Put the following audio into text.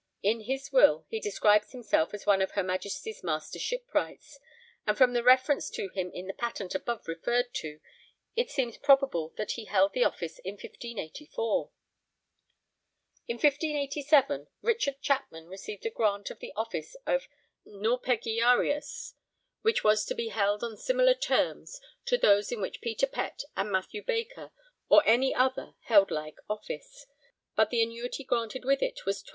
In his will he describes himself as one of her Majesty's Master Shipwrights, and from the reference to him in the patent above referred to it seems probable that he held the office in 1584. In 1587 Richard Chapman received a grant of the office of 'Naupegiarius,' which was to be held on similar terms (modo et forma) to those in which Peter Pett and Mathew Baker or any other held like office, but the annuity granted with it was 20_d.